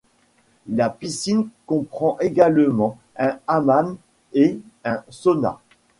La piscine comprend également un hammam et un sauna.